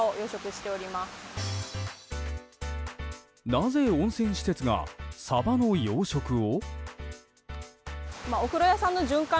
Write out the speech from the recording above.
なぜ温泉施設がサバの養殖を？